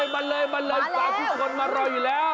มาเลยสาธุชนมันรออยู่แล้ว